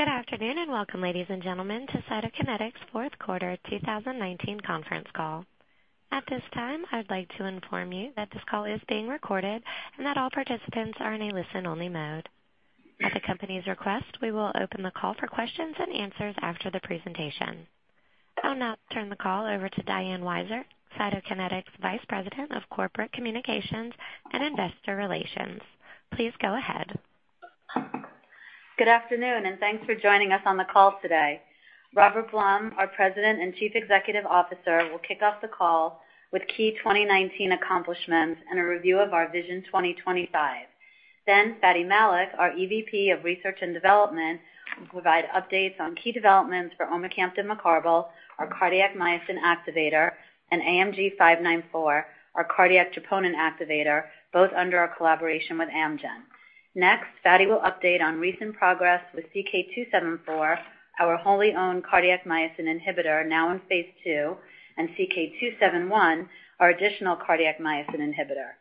Good afternoon, and welcome, ladies and gentlemen, to Cytokinetics' fourth quarter 2019 conference call. At this time, I'd like to inform you that this call is being recorded and that all participants are in a listen-only mode. At the company's request, we will open the call for questions and answers after the presentation. I'll now turn the call over to Diane Weiser, Cytokinetics' Vice President of Corporate Communications and Investor Relations. Please go ahead. Good afternoon, and thanks for joining us on the call today. Robert Blum, our President and Chief Executive Officer, will kick off the call with key 2019 accomplishments and a review of our Vision 2025. Fady Malik, our EVP of Research and Development, will provide updates on key developments for omecamtiv mecarbil, our cardiac myosin activator, and AMG 594, our cardiac troponin activator, both under our collaboration with Amgen. Fady will update on recent progress with CK-274, our wholly owned cardiac myosin inhibitor, now in phase II, and CK-271, our additional cardiac myosin inhibitor.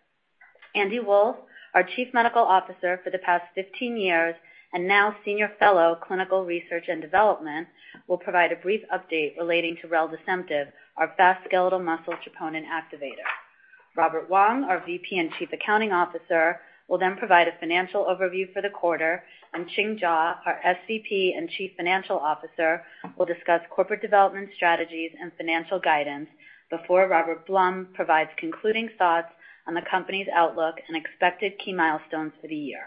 Andy Wolff, our Chief Medical Officer for the past 15 years and now Senior Fellow, Clinical Research and Development, will provide a brief update relating to reldesemtiv, our fast skeletal muscle troponin activator. Robert Wong, our VP and Chief Accounting Officer, will then provide a financial overview for the quarter, and Ching Jaw, our SVP and Chief Financial Officer, will discuss corporate development strategies and financial guidance before Robert Blum provides concluding thoughts on the company's outlook and expected key milestones for the year.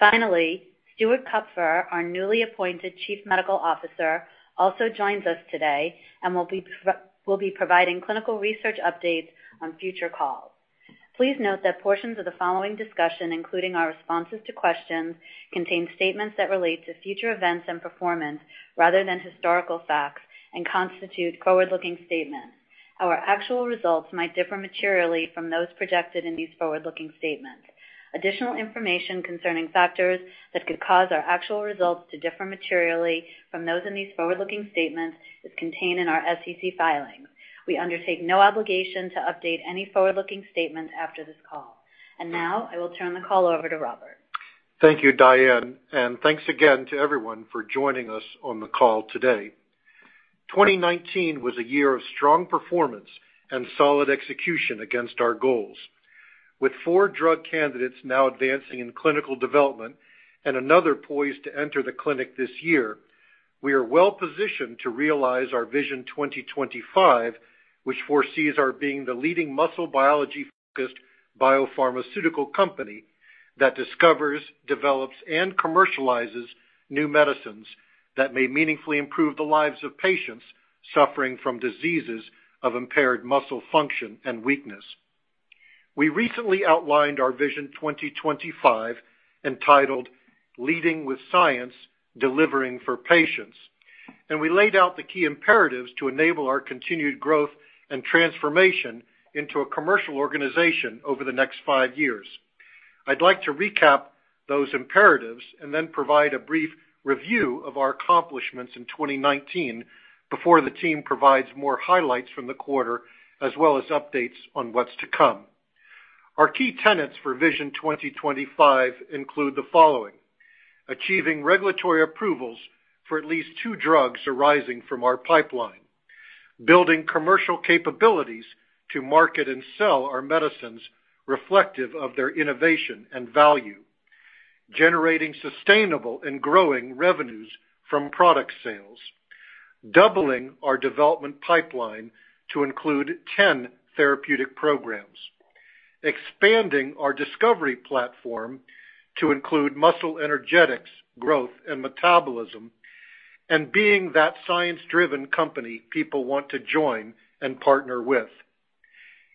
Finally, Stuart Kupfer, our newly appointed Chief Medical Officer, also joins us today and will be providing clinical research updates on future calls. Please note that portions of the following discussion, including our responses to questions, contain statements that relate to future events and performance rather than historical facts and constitute forward-looking statements. Our actual results might differ materially from those projected in these forward-looking statements. Additional information concerning factors that could cause our actual results to differ materially from those in these forward-looking statements is contained in our SEC filings. We undertake no obligation to update any forward-looking statements after this call. Now, I will turn the call over to Robert. Thank you, Diane, and thanks again to everyone for joining us on the call today. 2019 was a year of strong performance and solid execution against our goals. With four drug candidates now advancing in clinical development and another poised to enter the clinic this year, we are well-positioned to realize our Vision 2025, which foresees our being the leading muscle biology-focused biopharmaceutical company that discovers, develops, and commercializes new medicines that may meaningfully improve the lives of patients suffering from diseases of impaired muscle function and weakness. We recently outlined our Vision 2025 entitled Leading with Science, Delivering for Patients, we laid out the key imperatives to enable our continued growth and transformation into a commercial organization over the next five years. I'd like to recap those imperatives and then provide a brief review of our accomplishments in 2019 before the team provides more highlights from the quarter, as well as updates on what's to come. Our key tenets for Vision 2025 include the following. Achieving regulatory approvals for at least two drugs arising from our pipeline. Building commercial capabilities to market and sell our medicines reflective of their innovation and value. Generating sustainable and growing revenues from product sales. Doubling our development pipeline to include 10 therapeutic programs. Expanding our discovery platform to include muscle energetics, growth, and metabolism, and being that science-driven company people want to join and partner with.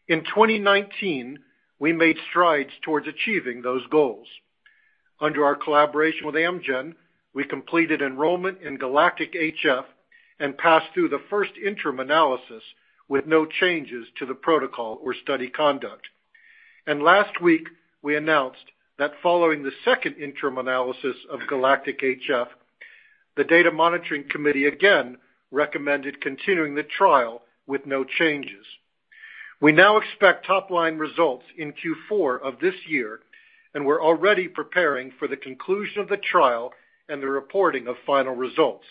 In 2019, we made strides towards achieving those goals. Under our collaboration with Amgen, we completed enrollment in GALACTIC-HF and passed through the first interim analysis with no changes to the protocol or study conduct. Last week, we announced that following the second interim analysis of GALACTIC-HF, the Data Monitoring Committee again recommended continuing the trial with no changes. We now expect top-line results in Q4 of this year, and we're already preparing for the conclusion of the trial and the reporting of final results.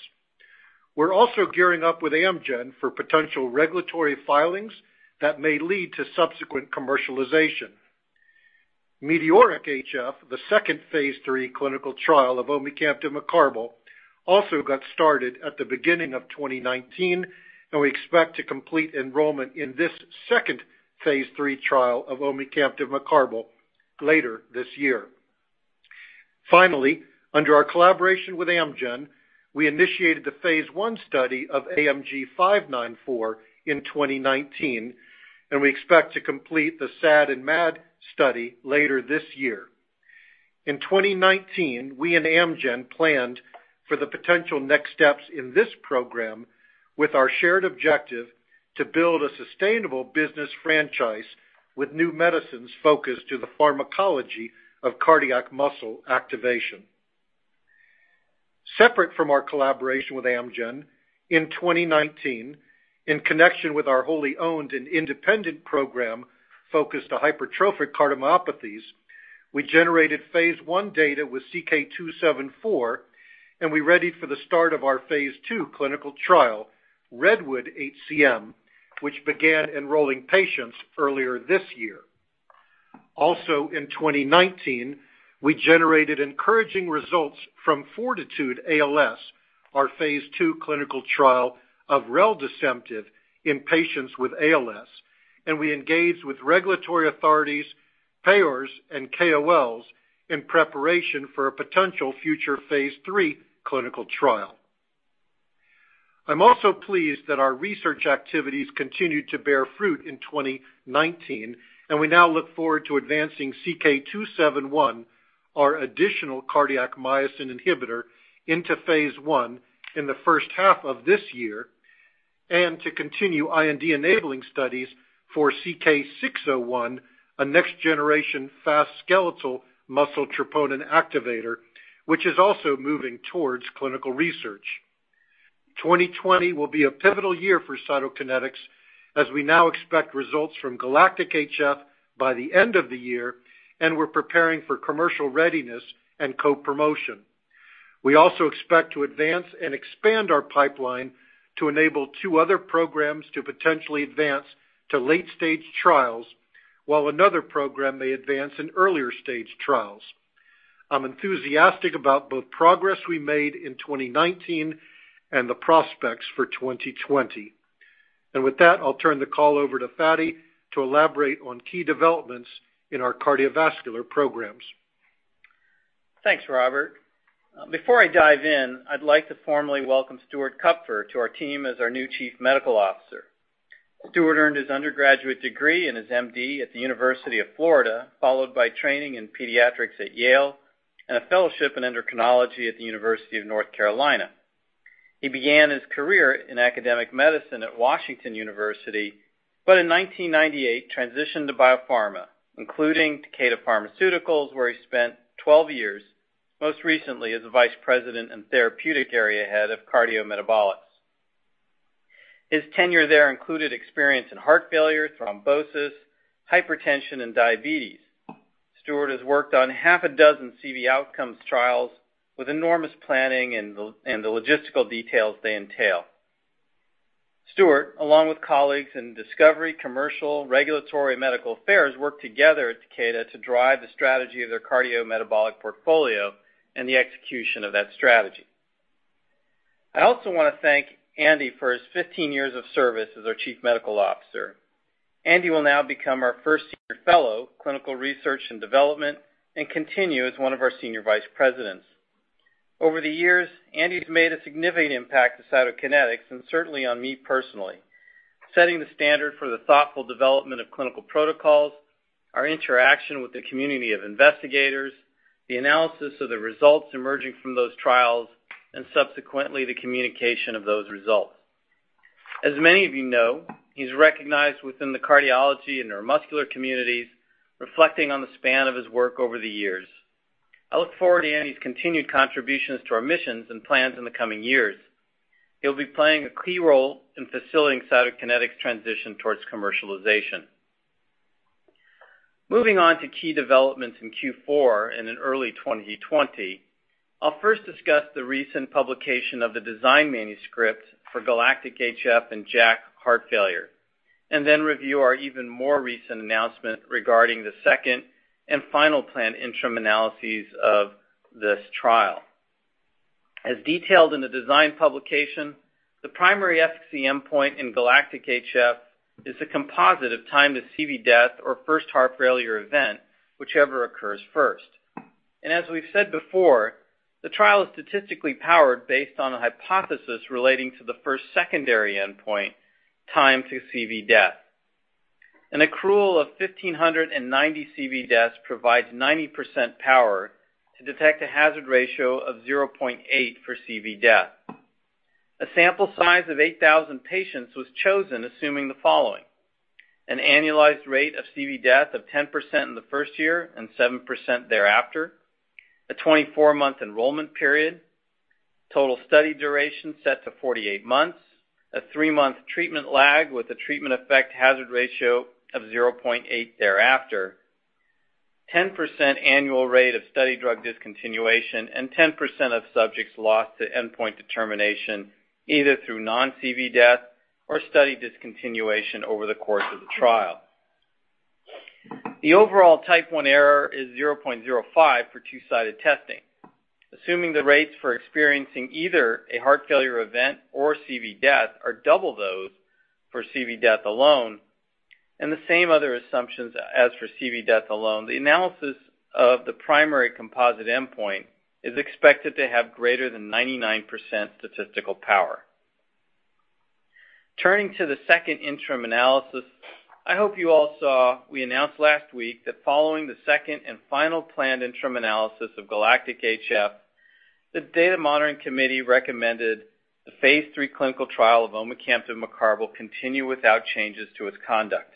We're also gearing up with Amgen for potential regulatory filings that may lead to subsequent commercialization. METEORIC-HF, the second phase III clinical trial of omecamtiv mecarbil, also got started at the beginning of 2019, and we expect to complete enrollment in this second phase III trial of omecamtiv mecarbil later this year. Finally, under our collaboration with Amgen, we initiated the phase I study of AMG 594 in 2019, and we expect to complete the SAD and MAD study later this year. In 2019, we and Amgen planned for the potential next steps in this program with our shared objective to build a sustainable business franchise with new medicines focused to the pharmacology of cardiac muscle activation. Separate from our collaboration with Amgen, in 2019, in connection with our wholly owned and independent program focused on hypertrophic cardiomyopathies. We generated phase I data with CK-274, and we readied for the start of our phase II clinical trial, REDWOOD-HCM, which began enrolling patients earlier this year. Also, in 2019, we generated encouraging results from FORTITUDE-ALS, our phase II clinical trial of reldesemtiv in patients with ALS, and we engaged with regulatory authorities, payers, and KOLs in preparation for a potential future phase III clinical trial. I'm also pleased that our research activities continued to bear fruit in 2019, and we now look forward to advancing CK-271, our additional cardiac myosin inhibitor, into phase I in the first half of this year, and to continue IND-enabling studies for CK-601, a next generation fast skeletal muscle troponin activator, which is also moving towards clinical research. 2020 will be a pivotal year for Cytokinetics as we now expect results from GALACTIC-HF by the end of the year, and we're preparing for commercial readiness and co-promotion. We also expect to advance and expand our pipeline to enable two other programs to potentially advance to late-stage trials, while another program may advance in earlier-stage trials. I'm enthusiastic about both progress we made in 2019 and the prospects for 2020. With that, I'll turn the call over to Fady to elaborate on key developments in our cardiovascular programs. Thanks, Robert. Before I dive in, I'd like to formally welcome Stuart Kupfer to our team as our new Chief Medical Officer. Stuart earned his undergraduate degree and his MD at the University of Florida, followed by training in pediatrics at Yale University and a fellowship in endocrinology at the University of North Carolina. He began his career in academic medicine at Washington University, but in 1998, transitioned to biopharma, including Takeda Pharmaceuticals, where he spent 12 years, most recently as a Vice President and therapeutic area Head of cardiometabolics. His tenure there included experience in heart failure, thrombosis, hypertension, and diabetes. Stuart has worked on half a dozen CV outcomes trials with enormous planning and the logistical details they entail. Stuart, along with colleagues in discovery, commercial, regulatory, medical affairs, worked together at Takeda to drive the strategy of their cardiometabolic portfolio and the execution of that strategy. I also want to thank Andy for his 15 years of service as our Chief Medical Officer. Andy will now become our first Senior Fellow, Clinical Research and Development, and continue as one of our Senior Vice Presidents. Over the years, Andy's made a significant impact to Cytokinetics. Certainly on me personally, setting the standard for the thoughtful development of clinical protocols, our interaction with the community of investigators, the analysis of the results emerging from those trials, and subsequently, the communication of those results. As many of you know, he's recognized within the cardiology and neuromuscular communities, reflecting on the span of his work over the years. I look forward to Andy's continued contributions to our missions and plans in the coming years. He'll be playing a key role in facilitating Cytokinetics' transition towards commercialization. Moving on to key developments in Q4 and in early 2020, I'll first discuss the recent publication of the design manuscript for GALACTIC-HF and JACC: Heart Failure, and then review our even more recent announcement regarding the second and final planned interim analyses of this trial. As detailed in the design publication, the primary endpoint in GALACTIC-HF is a composite of time to CV death or first heart failure event, whichever occurs first. As we've said before, the trial is statistically powered based on a hypothesis relating to the first secondary endpoint, time to CV death. An accrual of 1,590 CV deaths provides 90% power to detect a hazard ratio of 0.8 for CV death. A sample size of 8,000 patients was chosen assuming the following: an annualized rate of CV death of 10% in the first year and 7% thereafter, a 24-month enrollment period, total study duration set to 48 months, a three-month treatment lag with a treatment effect hazard ratio of 0.8 thereafter, 10% annual rate of study drug discontinuation, and 10% of subjects lost to endpoint determination, either through non-CV death or study discontinuation over the course of the trial. The overall Type 1 error is 0.05 for two-sided testing. Assuming the rates for experiencing either a heart failure event or CV death are double those for CV death alone and the same other assumptions as for CV death alone, the analysis of the primary composite endpoint is expected to have greater than 99% statistical power. Turning to the second interim analysis, I hope you all saw we announced last week that following the second and final planned interim analysis of GALACTIC-HF, the Data Monitoring Committee recommended the phase III clinical trial of omecamtiv mecarbil continue without changes to its conduct.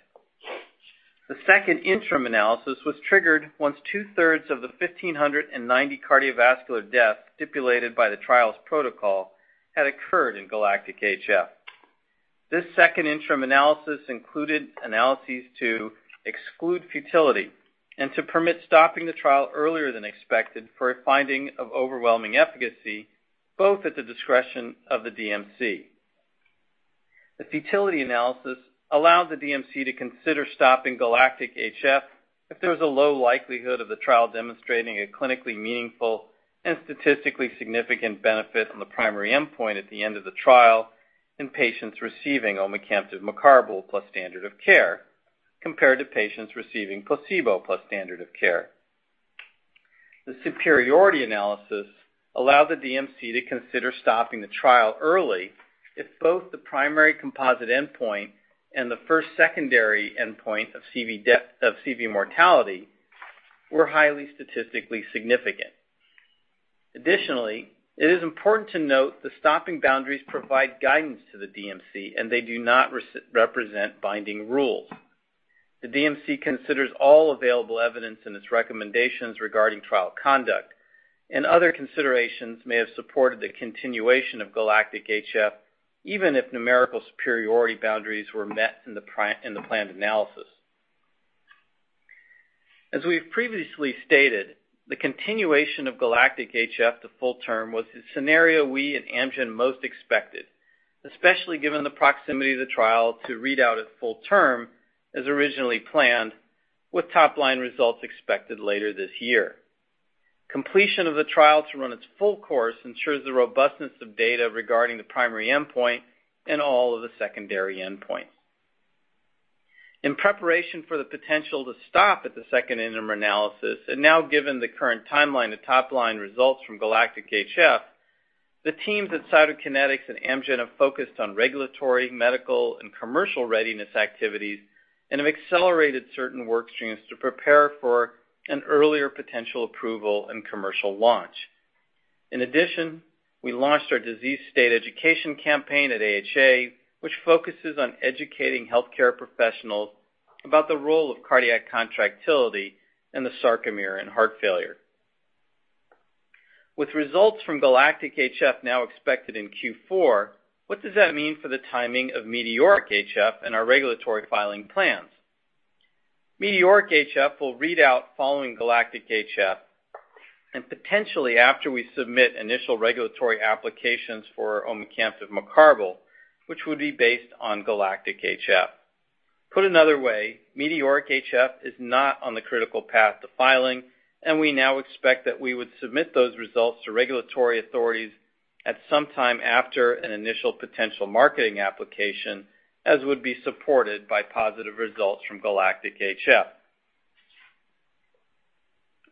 The second interim analysis was triggered once two-thirds of the 1,590 cardiovascular deaths stipulated by the trial's protocol had occurred in GALACTIC-HF. This second interim analysis included analyses to exclude futility and to permit stopping the trial earlier than expected for a finding of overwhelming efficacy, both at the discretion of the DMC. The futility analysis allowed the DMC to consider stopping GALACTIC-HF if there was a low likelihood of the trial demonstrating a clinically meaningful and statistically significant benefit on the primary endpoint at the end of the trial in patients receiving omecamtiv mecarbil plus standard of care, compared to patients receiving placebo plus standard of care. The superiority analysis allowed the DMC to consider stopping the trial early if both the primary composite endpoint and the first secondary endpoint of CV mortality were highly statistically significant. Additionally, it is important to note the stopping boundaries provide guidance to the DMC, and they do not represent binding rules. The DMC considers all available evidence in its recommendations regarding trial conduct, and other considerations may have supported the continuation of GALACTIC-HF, even if numerical superiority boundaries were met in the planned analysis. As we've previously stated, the continuation of GALACTIC-HF to full term was the scenario we and Amgen most expected, especially given the proximity of the trial to read out at full term as originally planned, with top-line results expected later this year. Completion of the trial to run its full course ensures the robustness of data regarding the primary endpoint and all of the secondary endpoints. Now given the current timeline to top-line results from GALACTIC-HF, the teams at Cytokinetics and Amgen have focused on regulatory, medical, and commercial readiness activities and have accelerated certain work streams to prepare for an earlier potential approval and commercial launch. In addition, we launched our disease state education campaign at AHA, which focuses on educating healthcare professionals about the role of cardiac contractility in the sarcomere in heart failure. With results from GALACTIC-HF now expected in Q4, what does that mean for the timing of METEORIC-HF and our regulatory filing plans? METEORIC-HF will read out following GALACTIC-HF, and potentially after we submit initial regulatory applications for omecamtiv mecarbil, which would be based on GALACTIC-HF. Put another way, METEORIC-HF is not on the critical path to filing, and we now expect that we would submit those results to regulatory authorities at some time after an initial potential marketing application, as would be supported by positive results from GALACTIC-HF.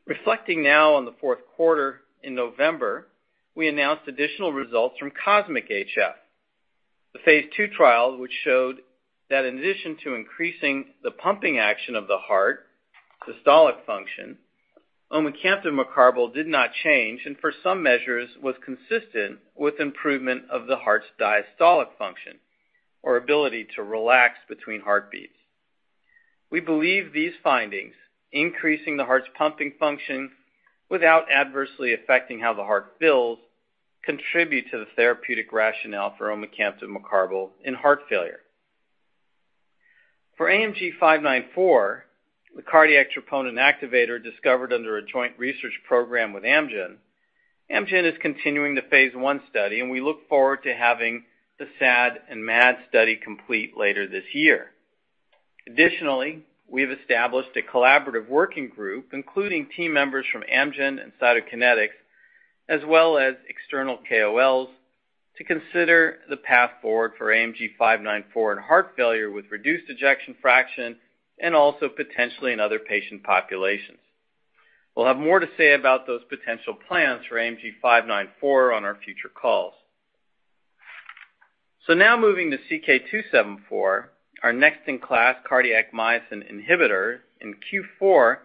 Reflecting now on the fourth quarter, in November, we announced additional results from COSMIC-HF. The phase II trial which showed that in addition to increasing the pumping action of the heart, systolic function, omecamtiv mecarbil did not change, and for some measures, was consistent with improvement of the heart's diastolic function, or ability to relax between heartbeats. We believe these findings, increasing the heart's pumping function without adversely affecting how the heart fills, contribute to the therapeutic rationale for omecamtiv mecarbil in heart failure. For AMG 594, the cardiac troponin activator discovered under a joint research program with Amgen is continuing the phase I study, and we look forward to having the SAD and MAD study complete later this year. Additionally, we've established a collaborative working group, including team members from Amgen and Cytokinetics, as well as external KOLs, to consider the path forward for AMG 594 in heart failure with reduced ejection fraction and also potentially in other patient populations. We'll have more to say about those potential plans for AMG 594 on our future calls. Now moving to CK-274, our next-in-class cardiac myosin inhibitor. In Q4,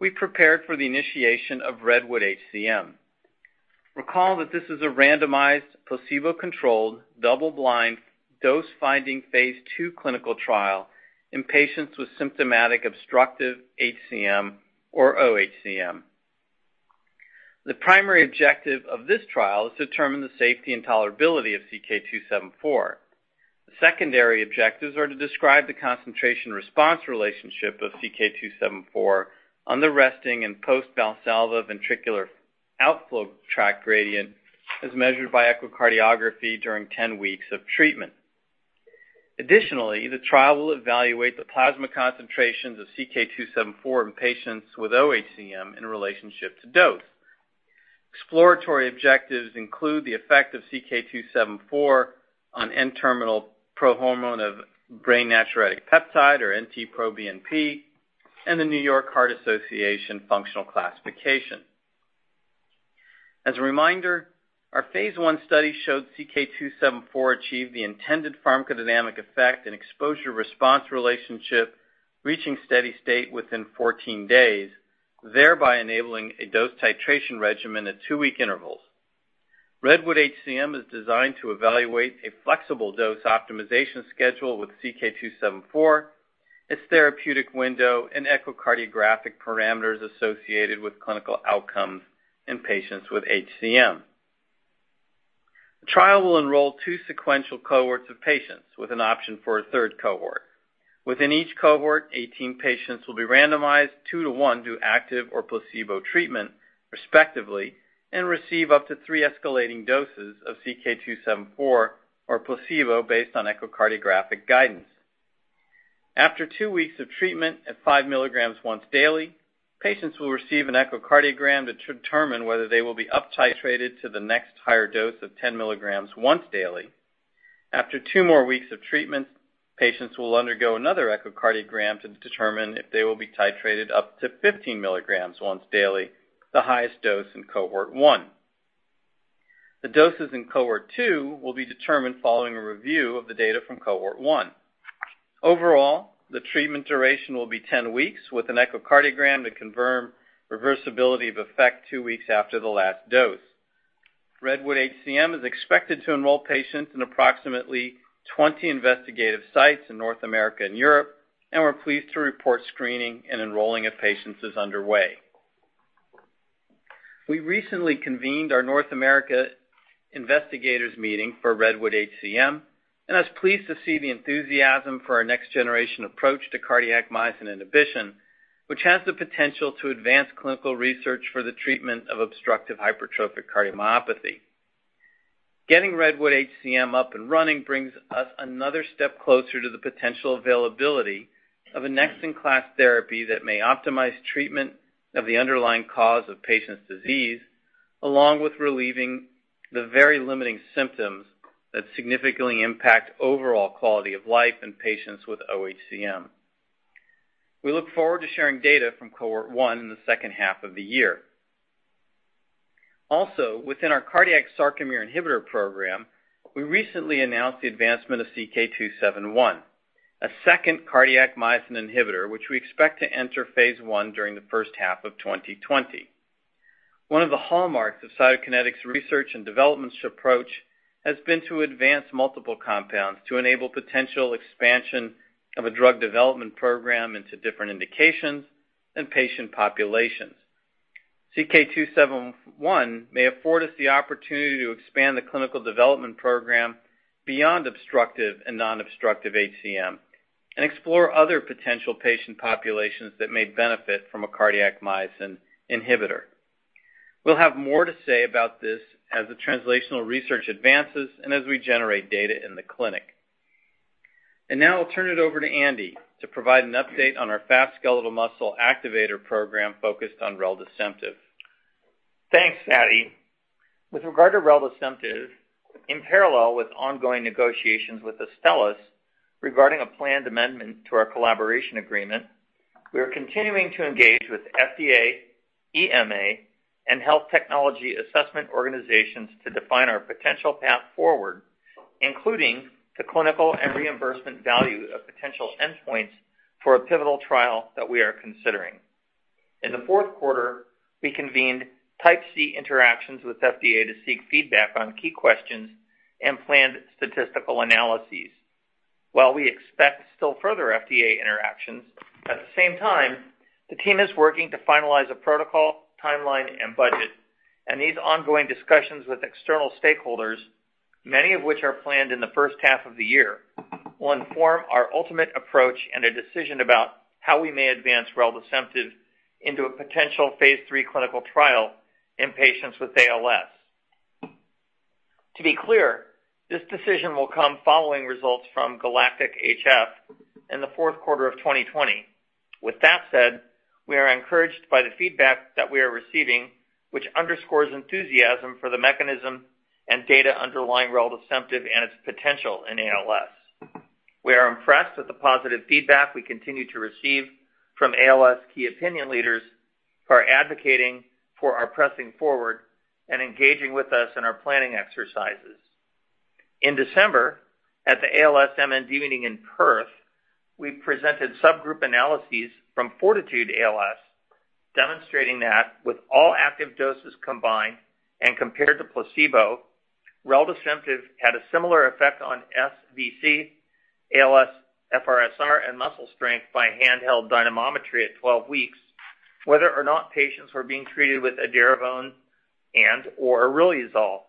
we prepared for the initiation of REDWOOD-HCM. Recall that this is a randomized, placebo-controlled, double-blind, dose-finding phase II clinical trial in patients with symptomatic obstructive HCM or oHCM. The primary objective of this trial is to determine the safety and tolerability of CK-274. The secondary objectives are to describe the concentration response relationship of CK-274 on the resting and post-Valsalva ventricular outflow tract gradient as measured by echocardiography during 10 weeks of treatment. Additionally, the trial will evaluate the plasma concentrations of CK-274 in patients with oHCM in relationship to dose. Exploratory objectives include the effect of CK-274 on N-terminal prohormone of brain natriuretic peptide, or NT-proBNP, and the New York Heart Association functional classification. As a reminder, our phase I study showed CK-274 achieved the intended pharmacodynamic effect and exposure response relationship reaching steady state within 14 days, thereby enabling a dose titration regimen at two-week intervals. REDWOOD-HCM is designed to evaluate a flexible dose optimization schedule with CK-274 its therapeutic window and echocardiographic parameters associated with clinical outcomes in patients with HCM. The trial will enroll two sequential cohorts of patients with an option for a third cohort. Within each cohort, 18 patients will be randomized 2:1 to active or placebo treatment, respectively, and receive up to three escalating doses of CK-274 or placebo based on echocardiographic guidance. After two weeks of treatment at 5 mg once daily, patients will receive an echocardiogram to determine whether they will be up-titrated to the next higher dose of 10 mg once daily. After two more weeks of treatment, patients will undergo another echocardiogram to determine if they will be titrated up to 15 mg once daily, the highest dose in cohort one. The doses in cohort two will be determined following a review of the data from cohort one. Overall, the treatment duration will be 10 weeks with an echocardiogram to confirm reversibility of effect two weeks after the last dose. REDWOOD-HCM is expected to enroll patients in approximately 20 investigative sites in North America and Europe, and we're pleased to report screening and enrolling of patients is underway. We recently convened our North America investigators meeting for REDWOOD-HCM, and I was pleased to see the enthusiasm for our next generation approach to cardiac myosin inhibition, which has the potential to advance clinical research for the treatment of obstructive hypertrophic cardiomyopathy. Getting REDWOOD-HCM up and running brings us another step closer to the potential availability of a next-in-class therapy that may optimize treatment of the underlying cause of patient's disease, along with relieving the very limiting symptoms that significantly impact overall quality of life in patients with oHCM. We look forward to sharing data from cohort one in the second half of the year. Also, within our cardiac sarcomere inhibitor program, we recently announced the advancement of CK-271, a second cardiac myosin inhibitor, which we expect to enter phase I during the first half of 2020. One of the hallmarks of Cytokinetics research and development approach has been to advance multiple compounds to enable potential expansion of a drug development program into different indications and patient populations. CK-271 may afford us the opportunity to expand the clinical development program beyond obstructive and non-obstructive HCM and explore other potential patient populations that may benefit from a cardiac myosin inhibitor. We'll have more to say about this as the translational research advances and as we generate data in the clinic. Now I'll turn it over to Andy to provide an update on our fast skeletal muscle activator program focused on reldesemtiv. Thanks, Fady. With regard to reldesemtiv, in parallel with ongoing negotiations with Astellas regarding a planned amendment to our collaboration agreement, we are continuing to engage with FDA, EMA, and health technology assessment organizations to define our potential path forward, including the clinical and reimbursement value of potential endpoints for a pivotal trial that we are considering. In the fourth quarter, we convened Type C interactions with FDA to seek feedback on key questions and planned statistical analyses. While we expect still further FDA interactions, at the same time, the team is working to finalize a protocol, timeline, and budget. These ongoing discussions with external stakeholders, many of which are planned in the first half of the year, will inform our ultimate approach and a decision about how we may advance reldesemtiv into a potential phase III clinical trial in patients with ALS. To be clear, this decision will come following results from GALACTIC-HF in the fourth quarter of 2020. With that said, we are encouraged by the feedback that we are receiving, which underscores enthusiasm for the mechanism and data underlying reldesemtiv and its potential in ALS. We are impressed with the positive feedback we continue to receive from ALS key opinion leaders who are advocating for our pressing forward and engaging with us in our planning exercises. In December, at the ALS/MND meeting in Perth, we presented subgroup analyses from FORTITUDE-ALS demonstrating that with all active doses combined and compared to placebo, reldesemtiv had a similar effect on SVC, ALSFRS-R, and muscle strength by handheld dynamometry at 12 weeks, whether or not patients were being treated with edaravone and/or riluzole.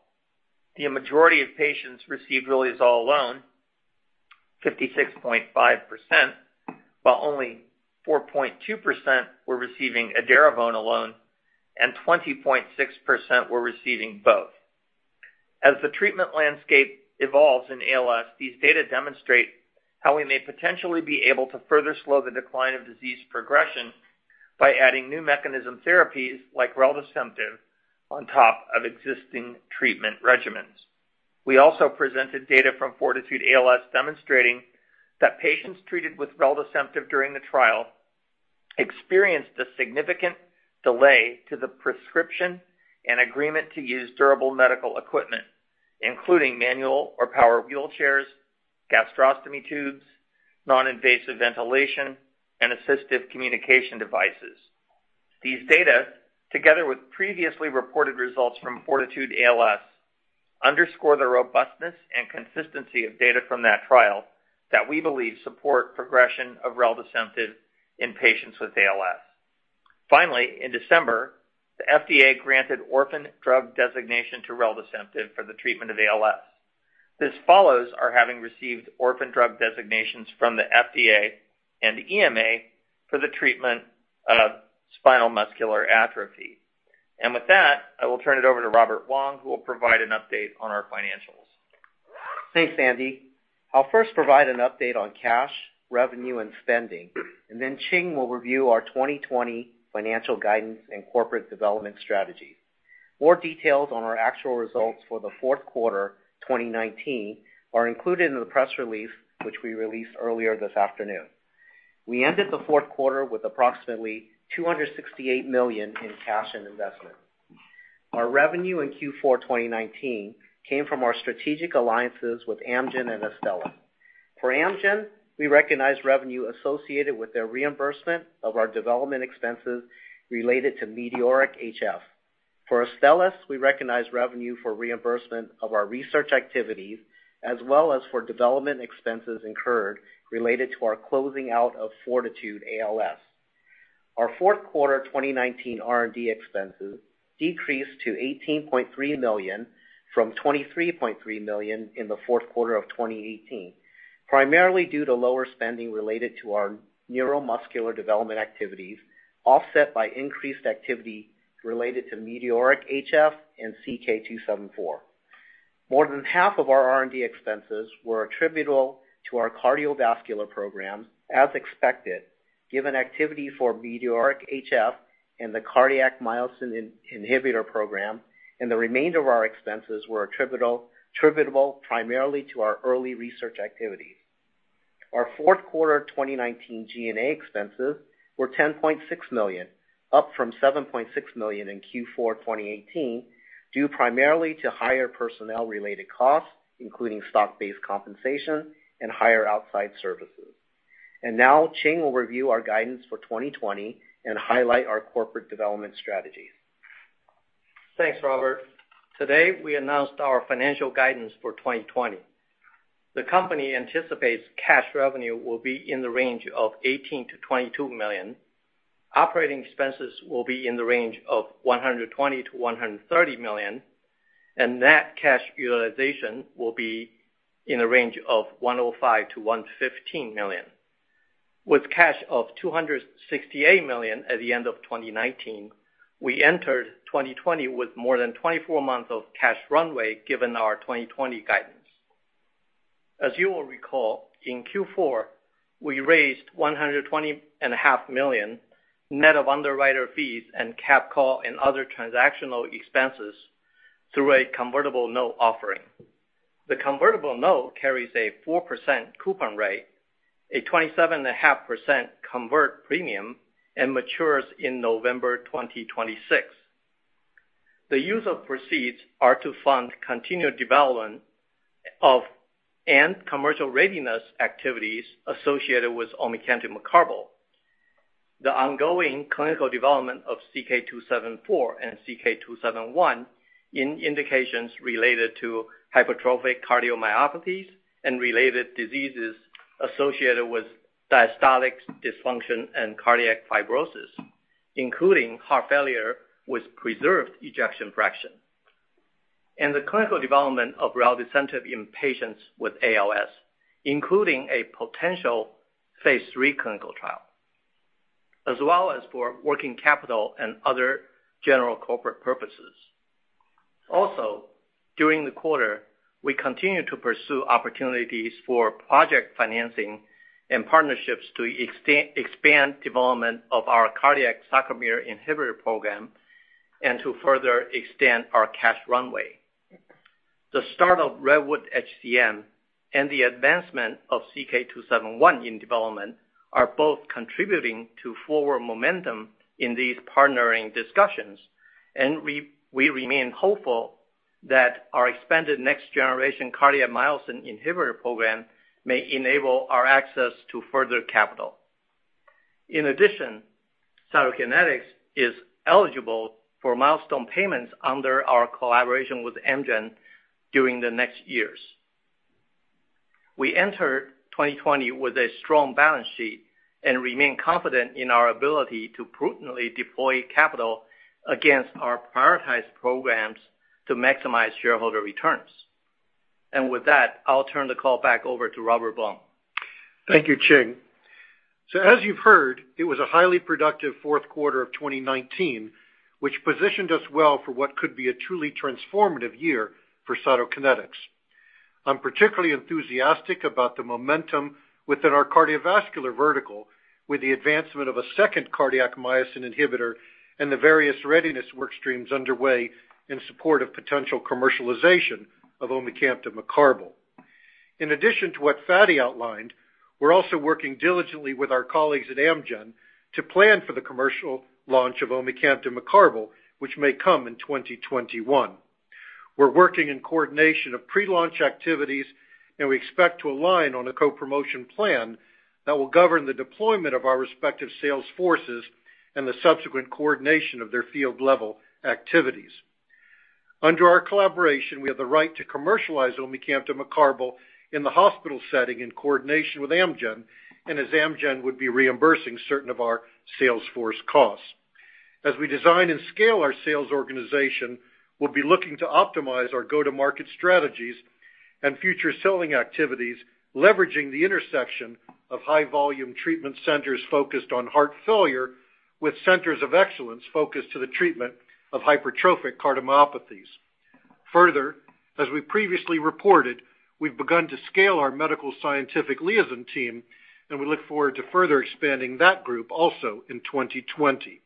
The majority of patients received riluzole alone, 56.5%, while only 4.2% were receiving edaravone alone, and 20.6% were receiving both. As the treatment landscape evolves in ALS, these data demonstrate how we may potentially be able to further slow the decline of disease progression by adding new mechanism therapies like reldesemtiv on top of existing treatment regimens. We also presented data from FORTITUDE-ALS demonstrating that patients treated with reldesemtiv during the trial experienced a significant delay to the prescription and agreement to use durable medical equipment, including manual or power wheelchairs, gastrostomy tubes, non-invasive ventilation, and assistive communication devices. These data, together with previously reported results from FORTITUDE-ALS Underscore the robustness and consistency of data from that trial that we believe support progression of reldesemtiv in patients with ALS. Finally, in December, the FDA granted orphan drug designation to reldesemtiv for the treatment of ALS. This follows our having received orphan drug designations from the FDA and EMA for the treatment of spinal muscular atrophy. With that, I will turn it over to Robert Wong, who will provide an update on our financials. Thanks, Andy. I'll first provide an update on cash, revenue, and spending, and then Ching will review our 2020 financial guidance and corporate development strategy. More details on our actual results for the fourth quarter 2019 are included in the press release, which we released earlier this afternoon. We ended the fourth quarter with approximately $268 million in cash and investment. Our revenue in Q4 2019 came from our strategic alliances with Amgen and Astellas. For Amgen, we recognized revenue associated with their reimbursement of our development expenses related to METEORIC-HF. For Astellas, we recognized revenue for reimbursement of our research activities, as well as for development expenses incurred related to our closing out of FORTITUDE-ALS. Our fourth quarter 2019 R&D expenses decreased to $18.3 million from $23.3 million in the fourth quarter of 2018, primarily due to lower spending related to our neuromuscular development activities, offset by increased activity related to METEORIC-HF and CK-274. More than half of our R&D expenses were attributable to our cardiovascular program as expected, given activity for METEORIC-HF and the cardiac myosin inhibitor program. The remainder of our expenses were attributable primarily to our early research activities. Our fourth quarter 2019 G&A expenses were $10.6 million, up from $7.6 million in Q4 2018, due primarily to higher personnel-related costs, including stock-based compensation and higher outside services. Now Ching will review our guidance for 2020 and highlight our corporate development strategies. Thanks, Robert. Today, we announced our financial guidance for 2020. The company anticipates cash revenue will be in the range of $18 million-$22 million. Operating expenses will be in the range of $120 million-$130 million. Net cash utilization will be in the range of $105 million-$115 million. With cash of $268 million at the end of 2019, we entered 2020 with more than 24 months of cash runway given our 2020 guidance. As you will recall, in Q4, we raised $120.5 million net of underwriter fees and capital and other transactional expenses through a convertible note offering. The convertible note carries a 4% coupon rate, a 27.5% convert premium, and matures in November 2026. The use of proceeds are to fund continued development of and commercial readiness activities associated with omecamtiv mecarbil. The ongoing clinical development of CK-274 and CK-271 in indications related to hypertrophic cardiomyopathies and related diseases associated with diastolic dysfunction and cardiac fibrosis, including heart failure with preserved ejection fraction. The clinical development of reldesemtiv in patients with ALS, including a potential phase III clinical trial, as well as for working capital and other general corporate purposes. Also, during the quarter, we continued to pursue opportunities for project financing and partnerships to expand development of our cardiac sarcomere inhibitor program and to further extend our cash runway. The start of REDWOOD-HCM and the advancement of CK-271 in development are both contributing to forward momentum in these partnering discussions, and we remain hopeful that our expanded next-generation cardiac myosin inhibitor program may enable our access to further capital. In addition, Cytokinetics is eligible for milestone payments under our collaboration with Amgen during the next years. We enter 2020 with a strong balance sheet and remain confident in our ability to prudently deploy capital against our prioritized programs to maximize shareholder returns. With that, I'll turn the call back over to Robert Blum. Thank you, Ching. As you've heard, it was a highly productive fourth quarter of 2019, which positioned us well for what could be a truly transformative year for Cytokinetics. I'm particularly enthusiastic about the momentum within our cardiovascular vertical with the advancement of a second cardiac myosin inhibitor and the various readiness work streams underway in support of potential commercialization of omecamtiv mecarbil. In addition to what Fady outlined, we're also working diligently with our colleagues at Amgen to plan for the commercial launch of omecamtiv mecarbil, which may come in 2021. We're working in coordination of pre-launch activities, and we expect to align on a co-promotion plan that will govern the deployment of our respective sales forces and the subsequent coordination of their field-level activities. Under our collaboration, we have the right to commercialize omecamtiv mecarbil in the hospital setting in coordination with Amgen and as Amgen would be reimbursing certain of our sales force costs. As we design and scale our sales organization, we'll be looking to optimize our go-to-market strategies and future selling activities, leveraging the intersection of high-volume treatment centers focused on heart failure, with centers of excellence focused to the treatment of hypertrophic cardiomyopathies. Further, as we previously reported, we've begun to scale our medical scientific liaison team, and we look forward to further expanding that group also in 2020.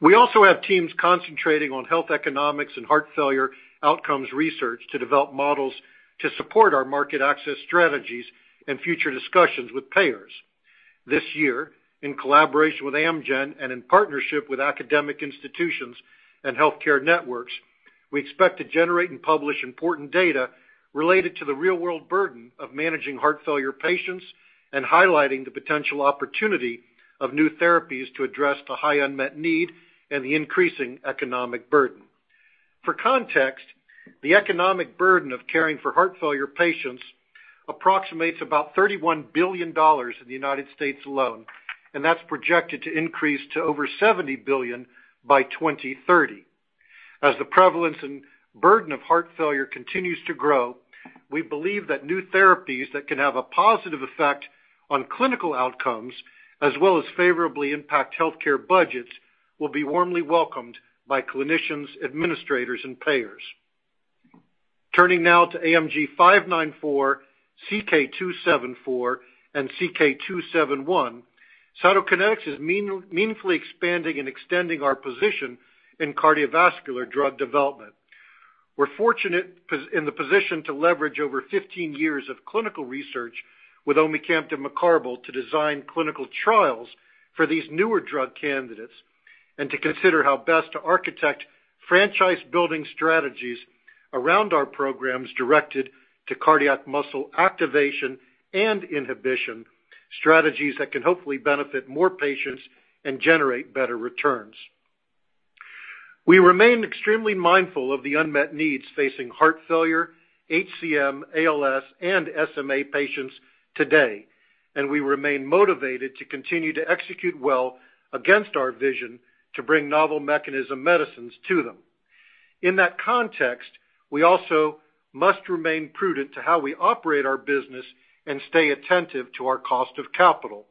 We also have teams concentrating on health economics and heart failure outcomes research to develop models to support our market access strategies and future discussions with payers. This year, in collaboration with Amgen and in partnership with academic institutions and healthcare networks, we expect to generate and publish important data related to the real-world burden of managing heart failure patients and highlighting the potential opportunity of new therapies to address the high unmet need and the increasing economic burden. For context, the economic burden of caring for heart failure patients approximates about $31 billion in the U.S. alone, that's projected to increase to over $70 billion by 2030. As the prevalence and burden of heart failure continues to grow, we believe that new therapies that can have a positive effect on clinical outcomes, as well as favorably impact healthcare budgets, will be warmly welcomed by clinicians, administrators, and payers. Turning now to AMG 594, CK-274, and CK-271, Cytokinetics is meaningfully expanding and extending our position in cardiovascular drug development. We're fortunate in the position to leverage over 15 years of clinical research with omecamtiv mecarbil to design clinical trials for these newer drug candidates and to consider how best to architect franchise building strategies around our programs directed to cardiac muscle activation and inhibition, strategies that can hopefully benefit more patients and generate better returns. We remain extremely mindful of the unmet needs facing heart failure, HCM, ALS, and SMA patients today, and we remain motivated to continue to execute well against our vision to bring novel mechanism medicines to them. In that context, we also must remain prudent to how we operate our business and stay attentive to our cost of capital.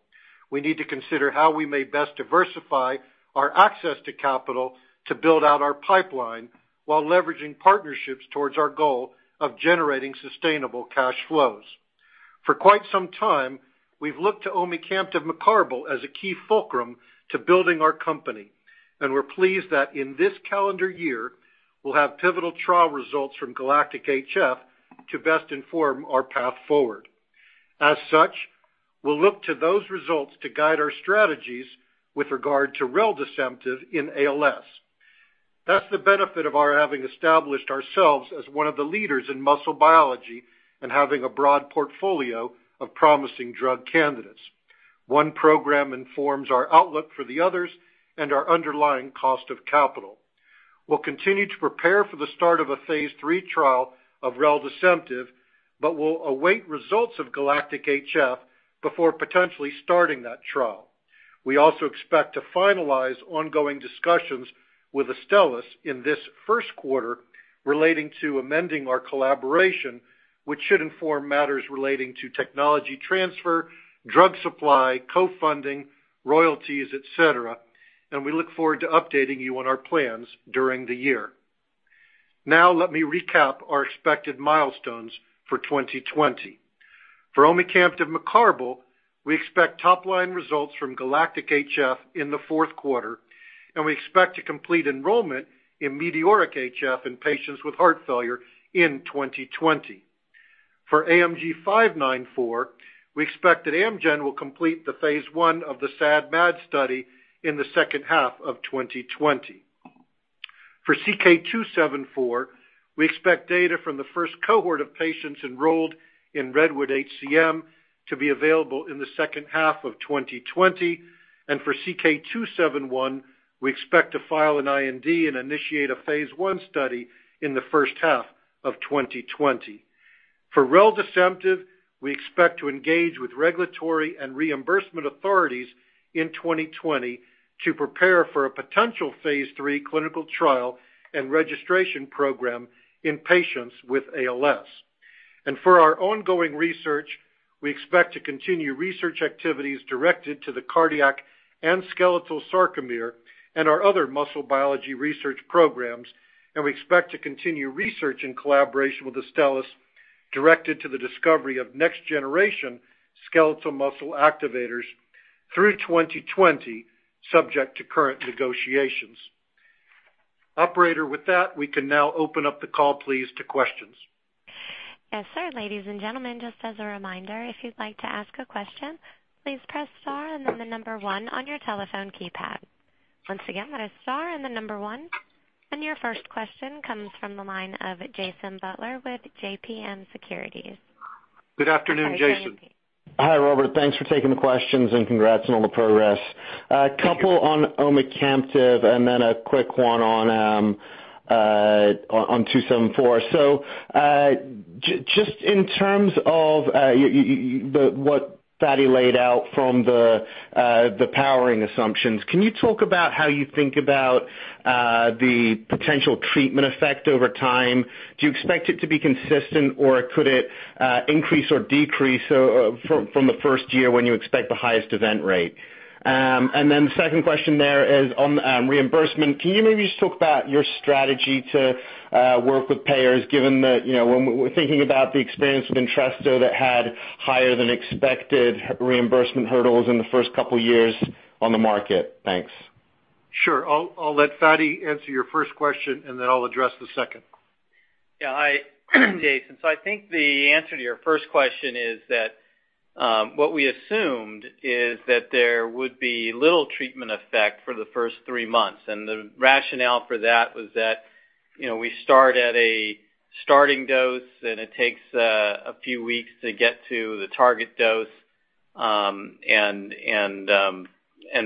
We need to consider how we may best diversify our access to capital to build out our pipeline while leveraging partnerships towards our goal of generating sustainable cash flows. For quite some time, we've looked to omecamtiv mecarbil as a key fulcrum to building our company, and we're pleased that in this calendar year, we'll have pivotal trial results from GALACTIC-HF to best inform our path forward. As such, we'll look to those results to guide our strategies with regard to reldesemtiv in ALS. That's the benefit of our having established ourselves as one of the leaders in muscle biology and having a broad portfolio of promising drug candidates. One program informs our outlook for the others and our underlying cost of capital. We'll continue to prepare for the start of a phase III trial of reldesemtiv. We'll await results of GALACTIC-HF before potentially starting that trial. We also expect to finalize ongoing discussions with Astellas in this first quarter relating to amending our collaboration, which should inform matters relating to technology transfer, drug supply, co-funding, royalties, et cetera. We look forward to updating you on our plans during the year. Let me recap our expected milestones for 2020. For omecamtiv mecarbil, we expect top-line results from GALACTIC-HF in the fourth quarter. We expect to complete enrollment in METEORIC-HF in patients with heart failure in 2020. For AMG 594, we expect that Amgen will complete the phase I of the SAD and MAD study in the second half of 2020. For CK-274, we expect data from the first cohort of patients enrolled in REDWOOD-HCM to be available in the second half of 2020. For CK-271, we expect to file an IND and initiate a phase I study in the first half of 2020. For reldesemtiv, we expect to engage with regulatory and reimbursement authorities in 2020 to prepare for a potential phase III clinical trial and registration program in patients with ALS. For our ongoing research, we expect to continue research activities directed to the cardiac and skeletal sarcomere and our other muscle biology research programs, and we expect to continue research in collaboration with Astellas directed to the discovery of next-generation skeletal muscle activators through 2020, subject to current negotiations. Operator, with that, we can now open up the call, please, to questions. Yes, sir. Ladies and gentlemen, just as a reminder, if you'd like to ask a question, please press star and then the number one on your telephone keypad. Once again, that is star and the number one. Your first question comes from the line of Jason Butler with JMP Securities. Good afternoon, Jason. Hi, Robert. Thanks for taking the questions, and congrats on all the progress. A couple on omecamtiv, and then a quick one on CK-274. Just in terms of what Fady laid out from the powering assumptions, can you talk about how you think about the potential treatment effect over time? Do you expect it to be consistent, or could it increase or decrease from the first year when you expect the highest event rate? The second question there is on reimbursement. Can you maybe just talk about your strategy to work with payers, given that when we're thinking about the experience with Entresto that had higher than expected reimbursement hurdles in the first couple of years on the market? Thanks. Sure. I'll let Fady answer your first question, and then I'll address the second. Yeah. Hi, Jason. I think the answer to your first question is that, what we assumed is that there would be little treatment effect for the first three months. The rationale for that was that we start at a starting dose, and it takes a few weeks to get to the target dose, and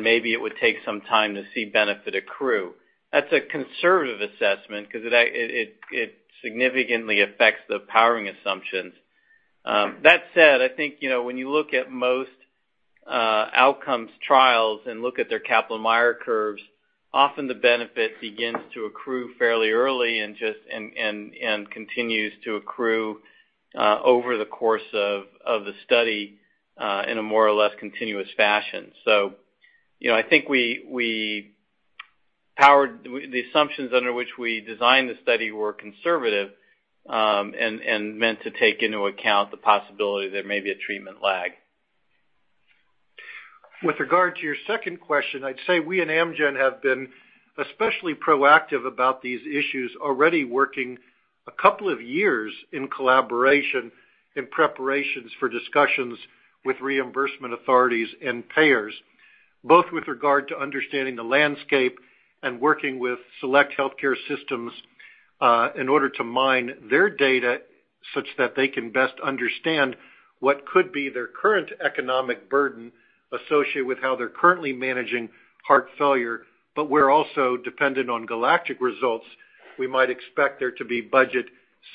maybe it would take some time to see benefit accrue. That's a conservative assessment because it significantly affects the powering assumptions. That said, I think, when you look at most outcomes trials and look at their Kaplan-Meier curves, often the benefit begins to accrue fairly early and continues to accrue over the course of the study in a more or less continuous fashion. I think we powered. The assumptions under which we designed the study were conservative, and meant to take into account the possibility there may be a treatment lag. With regard to your second question, I'd say we at Amgen have been especially proactive about these issues, already working a couple of years in collaboration in preparations for discussions with reimbursement authorities and payers, both with regard to understanding the landscape and working with select healthcare systems in order to mine their data such that they can best understand what could be their current economic burden associated with how they're currently managing heart failure. We're also dependent on GALACTIC results. We might expect there to be budget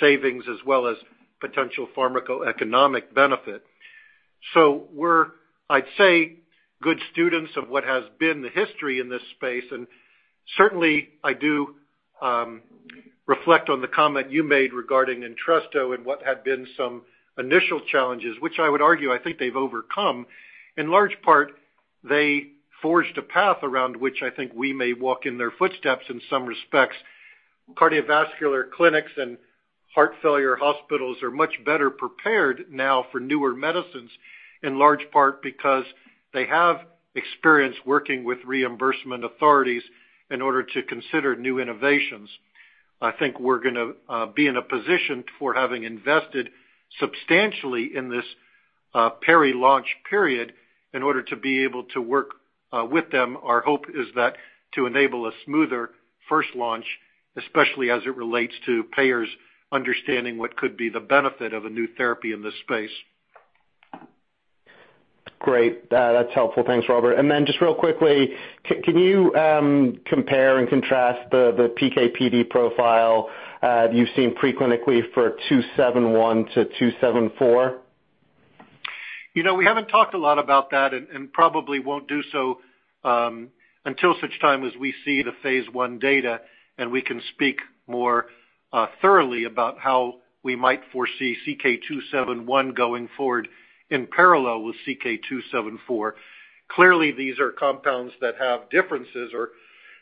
savings as well as potential pharmacoeconomic benefit. We're, I'd say, good students of what has been the history in this space, and certainly, I do reflect on the comment you made regarding Entresto and what had been some initial challenges, which I would argue I think they've overcome. In large part, they forged a path around which I think we may walk in their footsteps in some respects. Cardiovascular clinics and heart failure hospitals are much better prepared now for newer medicines, in large part because they have experience working with reimbursement authorities in order to consider new innovations. I think we're going to be in a position for having invested substantially in this peri-launch period in order to be able to work with them. Our hope is that to enable a smoother first launch, especially as it relates to payers understanding what could be the benefit of a new therapy in this space. Great. That's helpful. Thanks, Robert. Then just real quickly, can you compare and contrast the PK/PD profile you've seen preclinically for CK-271 to CK-274? We haven't talked a lot about that, and probably won't do so until such time as we see the phase I data and we can speak more thoroughly about how we might foresee CK-271 going forward in parallel with CK-274. Clearly, these are compounds that have differences or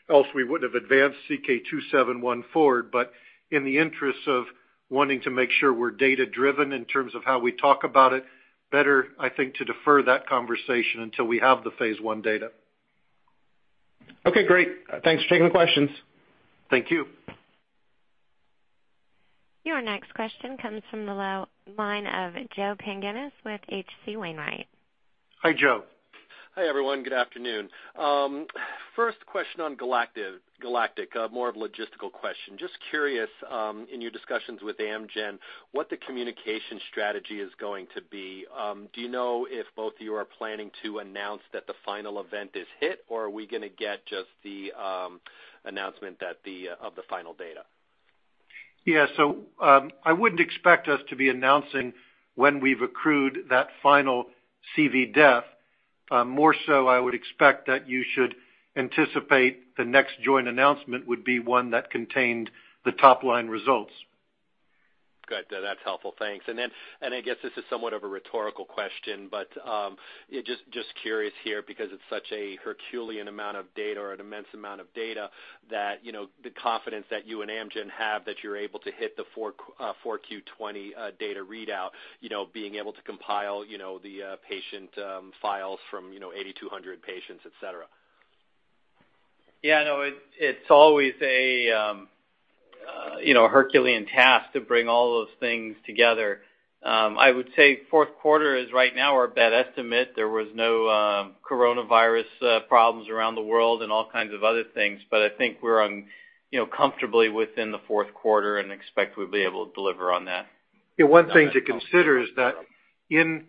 else we wouldn't have advanced CK-271 forward. But in the interest of wanting to make sure we're data-driven in terms of how we talk about it, better, I think, to defer that conversation until we have the phase I data. Okay, great. Thanks for taking the questions. Thank you. Your next question comes from the line of Joseph Pantginis with H.C. Wainwright. Hi, Joe. Hi, everyone. Good afternoon. First question on GALACTIC-HF, more of a logistical question. Just curious, in your discussions with Amgen, what the communication strategy is going to be. Do you know if both of you are planning to announce that the final event is hit, or are we going to get just the announcement of the final data? Yeah. I wouldn't expect us to be announcing when we've accrued that final CV death. More so I would expect that you should anticipate the next joint announcement would be one that contained the top-line results. Good. That's helpful. Thanks. I guess this is somewhat of a rhetorical question, but just curious here, because it's such a Herculean amount of data or an immense amount of data that the confidence that you and Amgen have that you're able to hit the 4Q 2020 data readout, being able to compile the patient files from 8,200 patients, et cetera. Yeah, no, it's always a Herculean task to bring all those things together. I would say fourth quarter is right now our best estimate. There was no coronavirus problems around the world and all kinds of other things. I think we're comfortably within the fourth quarter and expect we'll be able to deliver on that. One thing to consider is that in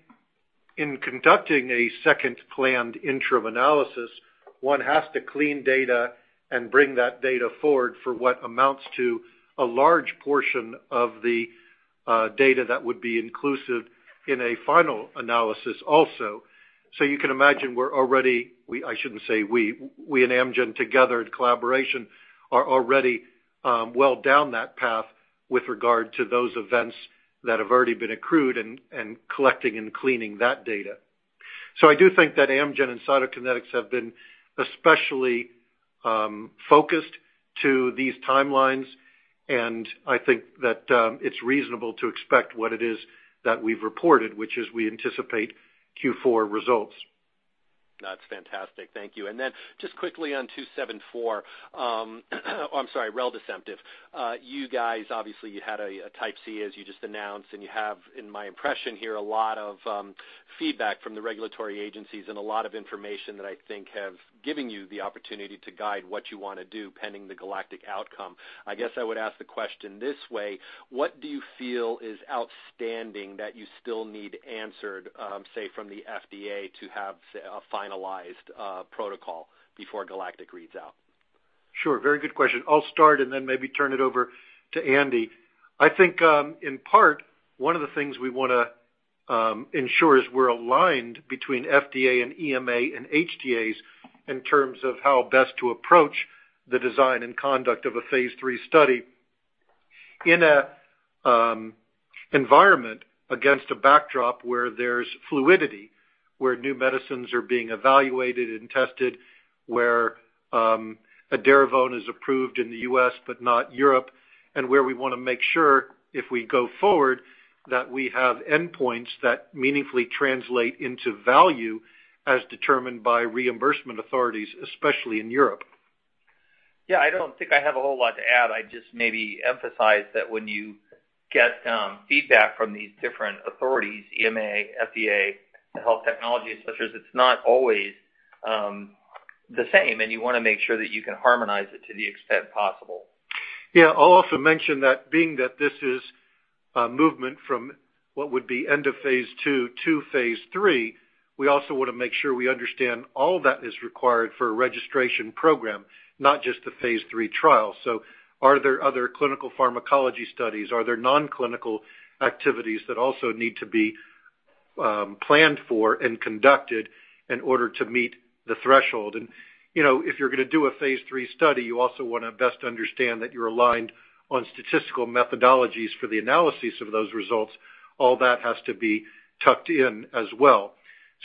conducting a second planned interim analysis, one has to clean data and bring that data forward for what amounts to a large portion of the data that would be inclusive in a final analysis also. You can imagine we're already, I shouldn't say we and Amgen together in collaboration are already well down that path with regard to those events that have already been accrued and collecting and cleaning that data. I do think that Amgen and Cytokinetics have been especially focused to these timelines, and I think that it's reasonable to expect what it is that we've reported, which is we anticipate Q4 results. That's fantastic. Thank you. Just quickly on CK-274, I'm sorry, reldesemtiv. You guys, obviously you had a Type C, as you just announced, and you have, in my impression here, a lot of feedback from the regulatory agencies and a lot of information that I think have given you the opportunity to guide what you want to do pending the GALACTIC outcome. I guess I would ask the question this way: What do you feel is outstanding that you still need answered, say, from the FDA to have a finalized protocol before GALACTIC reads out? Sure. Very good question. I'll start and then maybe turn it over to Andy. I think in part, one of the things we want to ensure is we're aligned between FDA and EMA and HTAs in terms of how best to approach the design and conduct of a phase III study in a environment against a backdrop where there's fluidity, where new medicines are being evaluated and tested, where edaravone is approved in the U.S. but not Europe, and where we want to make sure if we go forward, that we have endpoints that meaningfully translate into value as determined by reimbursement authorities, especially in Europe. Yeah, I don't think I have a whole lot to add. I'd just maybe emphasize that when you get feedback from these different authorities, EMA, FDA, the health technologies such as it's not always the same, you want to make sure that you can harmonize it to the extent possible. Yeah. I'll also mention that being that this is a movement from what would be end of phase II to phase III, we also want to make sure we understand all that is required for a registration program, not just a phase III trial. Are there other clinical pharmacology studies? Are there non-clinical activities that also need to be planned for and conducted in order to meet the threshold? If you're going to do a phase III study, you also want to best understand that you're aligned on statistical methodologies for the analysis of those results. All that has to be tucked in as well.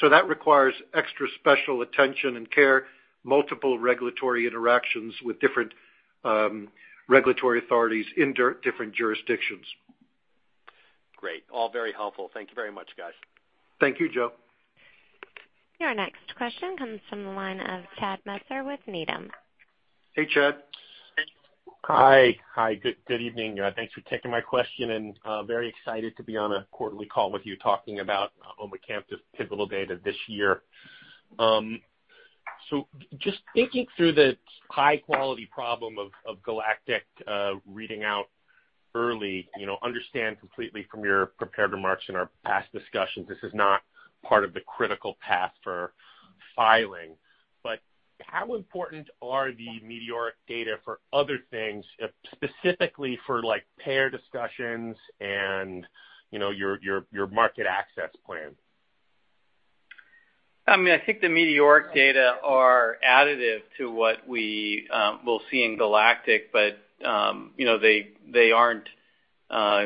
That requires extra special attention and care, multiple regulatory interactions with different regulatory authorities in different jurisdictions. Great. All very helpful. Thank you very much, guys. Thank you, Joe. Your next question comes from the line of Chad Messer with Needham. Hey, Chad. Hi. Good evening. Thanks for taking my question, and very excited to be on a quarterly call with you talking about omecamtiv mecarbil data this year. Just thinking through the high-quality problem of GALACTIC-HF reading out early, understand completely from your prepared remarks in our past discussions, this is not part of the critical path for filing. How important are the METEORIC-HF data for other things, specifically for payer discussions and your market access plan? I think the METEORIC data are additive to what we will see in GALACTIC, but they aren't, I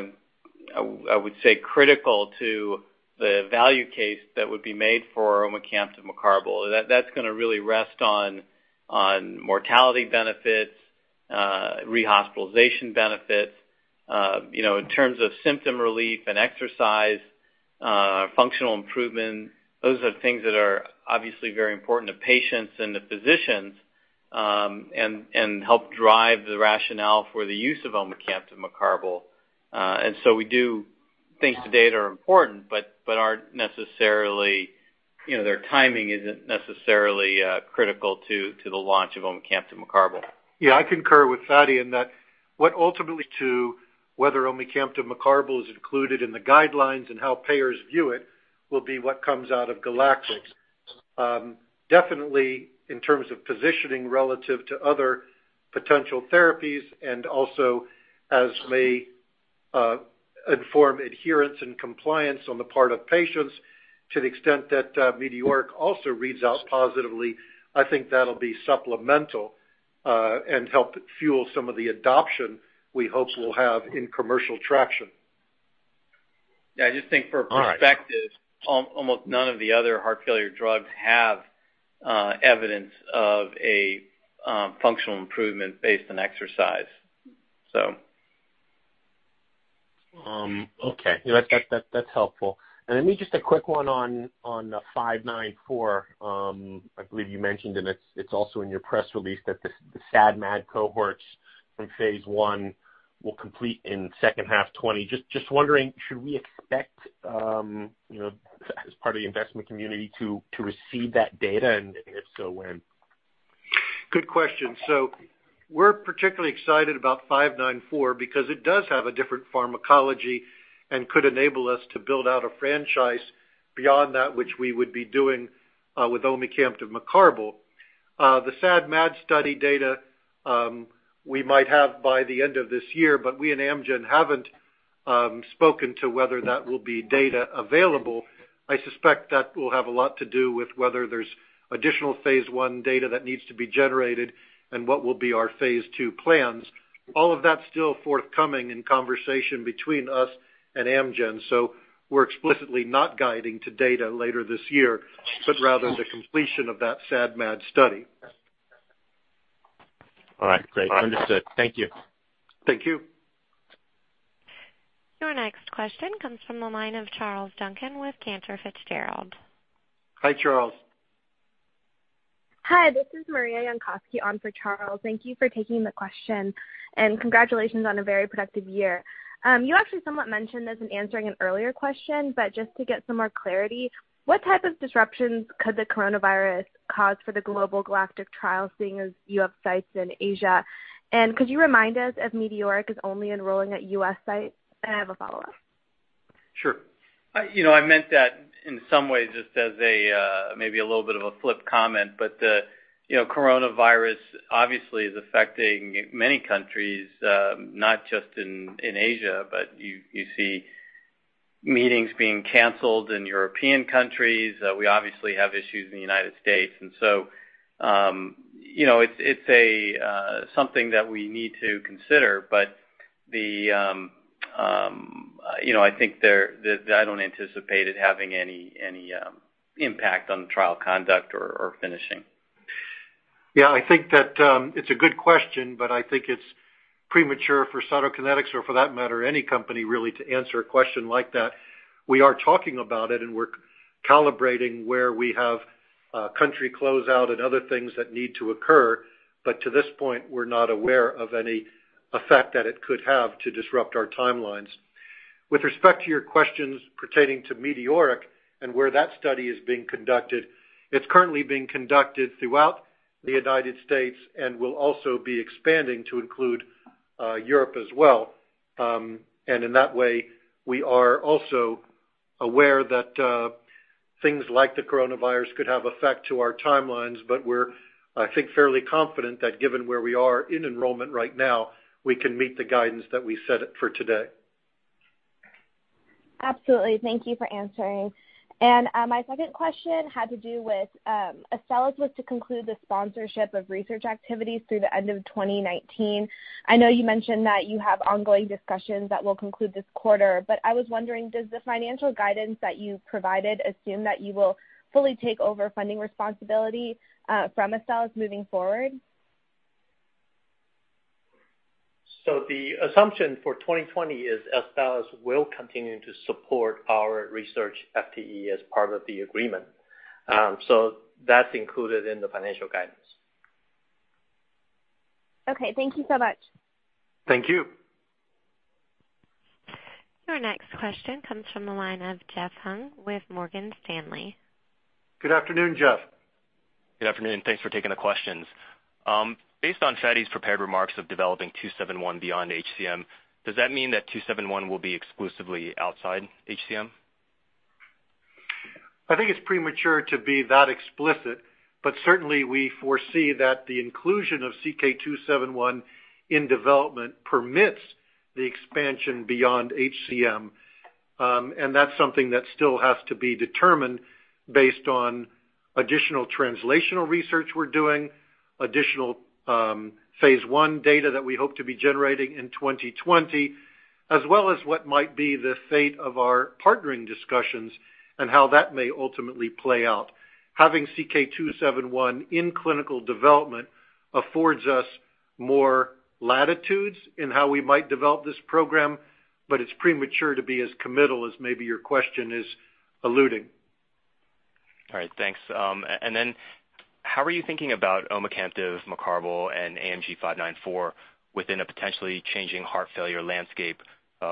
would say, critical to the value case that would be made for omecamtiv mecarbil. That's going to really rest on mortality benefits, rehospitalization benefits. In terms of symptom relief and exercise, functional improvement, those are things that are obviously very important to patients and to physicians and help drive the rationale for the use of omecamtiv mecarbil. We do think the data are important but their timing isn't necessarily critical to the launch of omecamtiv mecarbil. Yeah, I concur with Fady in that what ultimately to whether omecamtiv mecarbil is included in the guidelines and how payers view it will be what comes out of GALACTIC. Definitely in terms of positioning relative to other potential therapies and also as may inform adherence and compliance on the part of patients. To the extent that METEORIC also reads out positively, I think that'll be supplemental and help fuel some of the adoption we hope we'll have in commercial traction. Yeah, I just think for perspective almost none of the other heart failure drugs have evidence of a functional improvement based on exercise. Okay. That's helpful. Maybe just a quick one on AMG 594. I believe you mentioned, and it's also in your press release that the SAD and MAD cohorts from phase I will complete in second half 2020. Just wondering, should we expect as part of the investment community to receive that data, and if so, when? Good question. We're particularly excited about 594 because it does have a different pharmacology and could enable us to build out a franchise beyond that which we would be doing with omecamtiv mecarbil. The SAD and MAD study data we might have by the end of this year, but we and Amgen haven't spoken to whether that will be data available. I suspect that will have a lot to do with whether there's additional phase I data that needs to be generated and what will be our phase II plans. All of that's still forthcoming in conversation between us and Amgen. We're explicitly not guiding to data later this year, but rather the completion of that SAD and MAD study. All right. Great. Understood. Thank you. Thank you. Your next question comes from the line of Charles Duncan with Cantor Fitzgerald. Hi, Charles. Hi, this is Maria Yonkoski on for Charles. Thank you for taking the question, and congratulations on a very productive year. You actually somewhat mentioned this in answering an earlier question, but just to get some more clarity, what type of disruptions could the coronavirus cause for the global GALACTIC trial, seeing as you have sites in Asia? Could you remind us if METEORIC is only enrolling at U.S. sites? I have a follow-up. Sure. I meant that in some ways just as maybe a little bit of a flip comment, but the coronavirus obviously is affecting many countries, not just in Asia. You see meetings being canceled in European countries. We obviously have issues in the United States. It's something that we need to consider, but I think that I don't anticipate it having any impact on the trial conduct or finishing. Yeah, I think that it's a good question, but I think it's premature for Cytokinetics or for that matter, any company really to answer a question like that. We are talking about it, and we're calibrating where we have country closeout and other things that need to occur. To this point, we're not aware of any effect that it could have to disrupt our timelines. With respect to your questions pertaining to METEORIC and where that study is being conducted, it's currently being conducted throughout the United States and will also be expanding to include Europe as well. In that way, we are also aware that things like the coronavirus could have effect to our timelines. We're, I think, fairly confident that given where we are in enrollment right now, we can meet the guidance that we set for today. Absolutely. Thank you for answering. My second question had to do with Astellas was to conclude the sponsorship of research activities through the end of 2019. I know you mentioned that you have ongoing discussions that will conclude this quarter, but I was wondering, does the financial guidance that you provided assume that you will fully take over funding responsibility from Astellas moving forward? The assumption for 2020 is Astellas will continue to support our research FTE as part of the agreement. That's included in the financial guidance. Okay. Thank you so much. Thank you. Your next question comes from the line of Jeff Hung with Morgan Stanley. Good afternoon, Jeff. Good afternoon. Thanks for taking the questions. Based on Fady's prepared remarks of developing CSK-271 beyond HCM, does that mean that CK-271 will be exclusively outside HCM? I think it's premature to be that explicit, but certainly we foresee that the inclusion of CK-271 in development permits the expansion beyond HCM. That's something that still has to be determined based on additional translational research we're doing, additional phase I data that we hope to be generating in 2020, as well as what might be the fate of our partnering discussions and how that may ultimately play out. Having CK-271 in clinical development affords us more latitudes in how we might develop this program, but it's premature to be as committal as maybe your question is alluding. All right. Thanks. How are you thinking about omecamtiv mecarbil and AMG 594 within a potentially changing heart failure landscape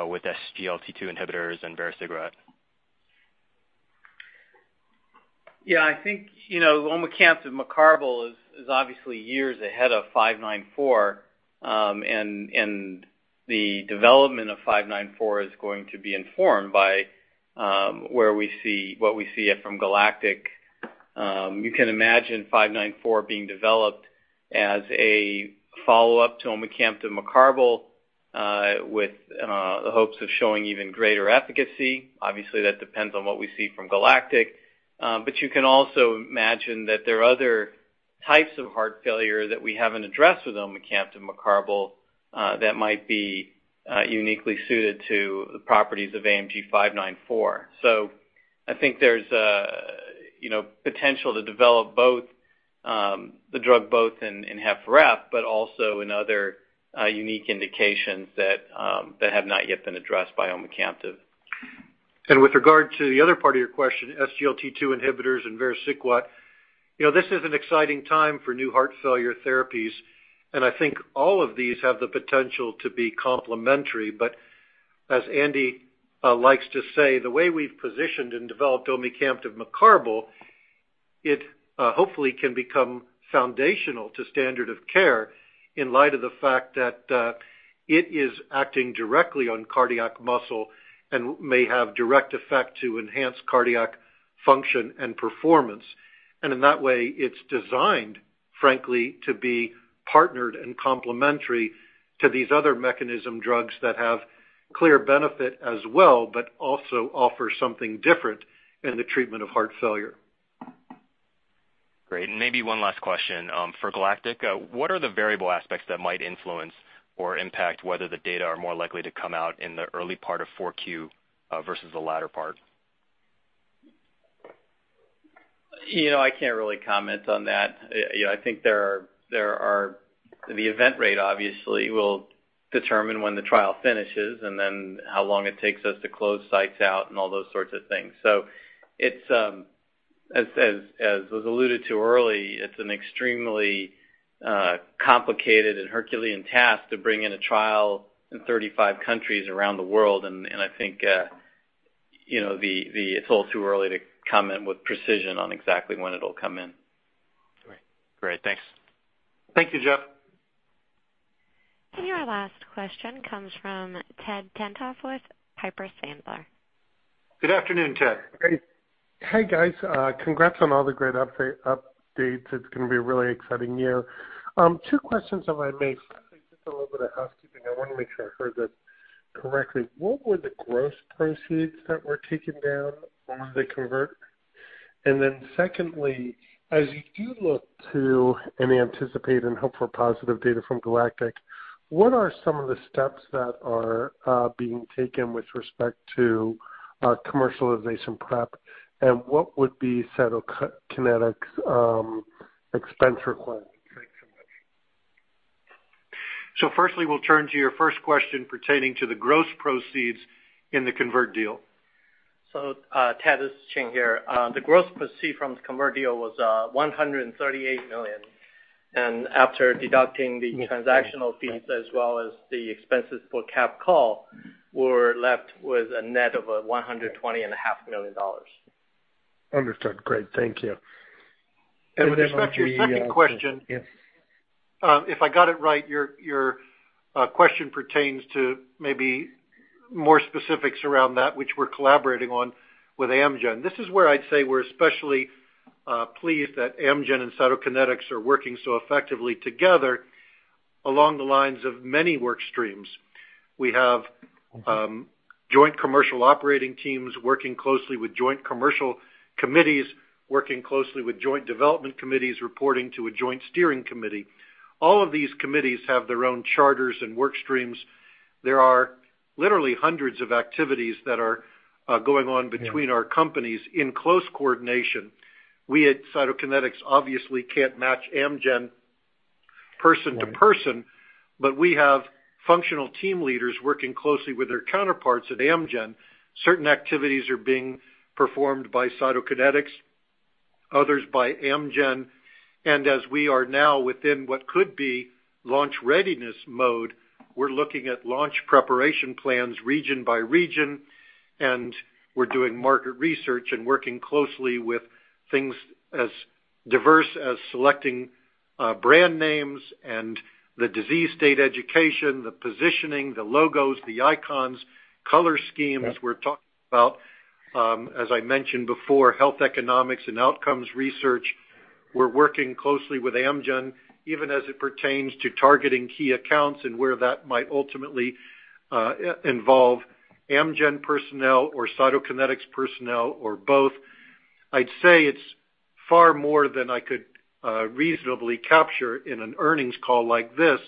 with SGLT2 inhibitors and vericiguat? Yeah, I think omecamtiv mecarbil is obviously years ahead of AMG 594. The development of AMG 594 is going to be informed by what we see from GALACTIC. You can imagine AMG 594 being developed as a follow-up to omecamtiv mecarbil with the hopes of showing even greater efficacy. Obviously, that depends on what we see from GALACTIC. You can also imagine that there are other types of heart failure that we haven't addressed with omecamtiv mecarbil that might be uniquely suited to the properties of AMG 594. I think there's potential to develop the drug both in HFrEF, but also in other unique indications that have not yet been addressed by omecamtiv. With regard to the other part of your question, SGLT2 inhibitors and vericiguat, this is an exciting time for new heart failure therapies, and I think all of these have the potential to be complementary. As Andy likes to say, the way we've positioned and developed omecamtiv mecarbil, it hopefully can become foundational to standard of care in light of the fact that it is acting directly on cardiac muscle and may have direct effect to enhance cardiac function and performance. In that way, it's designed, frankly, to be partnered and complementary to these other mechanism drugs that have clear benefit as well, but also offer something different in the treatment of heart failure. Great. Maybe one last question. For GALACTIC, what are the variable aspects that might influence or impact whether the data are more likely to come out in the early part of four Q versus the latter part? I can't really comment on that. I think the event rate obviously will determine when the trial finishes, and then how long it takes us to close sites out and all those sorts of things. As was alluded to early, it's an extremely complicated and Herculean task to bring in a trial in 35 countries around the world, and I think it's all too early to comment with precision on exactly when it'll come in. Great. Thanks. Thank you, Jeff. Our last question comes from Ted Tenthoff with Piper Sandler. Good afternoon, Ted. Hey, guys. Congrats on all the great updates. It's going to be a really exciting year. Two questions, if I may. Firstly, just a little bit of housekeeping. I want to make sure I heard this correctly. What were the gross proceeds that were taken down on the convert? Secondly, as you do look to and anticipate and hope for positive data from GALACTIC-HF, what are some of the steps that are being taken with respect to commercialization prep, and what would be Cytokinetics' expense requirements? Thanks so much. firstly, we'll turn to your first question pertaining to the gross proceeds in the convert deal. Ted, this is Ching here. The gross proceed from the convert deal was $138 million, and after deducting the transactional fees, as well as the expenses for cap call, we're left with a net of $120.5 million. Understood. Great. Thank you. If I got it right, your question pertains to maybe more specifics around that which we're collaborating on with Amgen. This is where I'd say we're especially pleased that Amgen and Cytokinetics are working so effectively together along the lines of many work streams. We have joint commercial operating teams working closely with joint commercial committees, working closely with joint development committees, reporting to a joint steering committee. All of these committees have their own charters and work streams. There are literally hundreds of activities that are going on between our companies in close coordination. We at Cytokinetics obviously can't match Amgen person to person, but we have functional team leaders working closely with their counterparts at Amgen. Certain activities are being performed by Cytokinetics, others by Amgen. As we are now within what could be launch readiness mode, we're looking at launch preparation plans region by region, and we're doing market research and working closely with things as diverse as selecting brand names and the disease state education, the positioning, the logos, the icons, color schemes. We're talking about, as I mentioned before, health economics and outcomes research. We're working closely with Amgen, even as it pertains to targeting key accounts and where that might ultimately involve Amgen personnel or Cytokinetics personnel or both. I'd say it's far more than I could reasonably capture in an earnings call like this.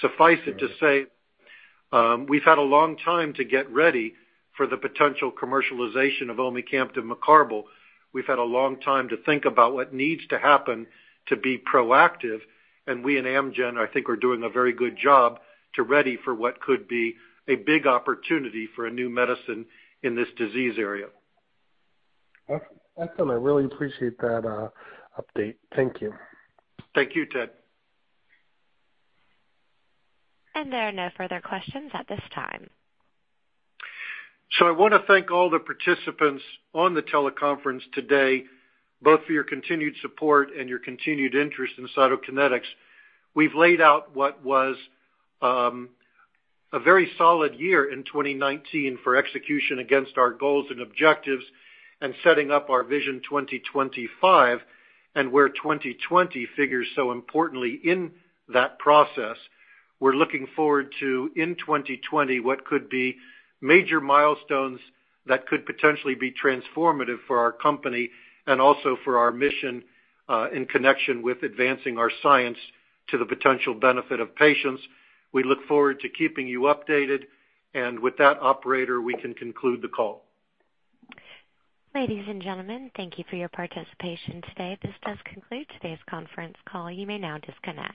Suffice it to say, we've had a long time to get ready for the potential commercialization of omecamtiv mecarbil. We've had a long time to think about what needs to happen to be proactive, and we and Amgen, I think, are doing a very good job to ready for what could be a big opportunity for a new medicine in this disease area. Excellent. I really appreciate that update. Thank you. Thank you, Ted. There are no further questions at this time. I want to thank all the participants on the teleconference today, both for your continued support and your continued interest in Cytokinetics. We've laid out what was a very solid year in 2019 for execution against our goals and objectives and setting up our Vision 2025 and where 2020 figures so importantly in that process. We're looking forward to, in 2020, what could be major milestones that could potentially be transformative for our company and also for our mission in connection with advancing our science to the potential benefit of patients. We look forward to keeping you updated, and with that operator, we can conclude the call. Ladies and gentlemen, thank you for your participation today. This does conclude today's conference call. You may now disconnect.